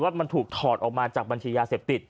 ว่ามันถูกถอดออกมาจากบัญชียาเสพติด